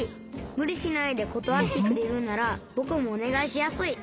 むりしないでことわってくれるならぼくもおねがいしやすい。